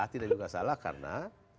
tidak salah karena